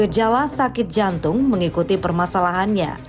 gejala sakit jantung mengikuti permasalahannya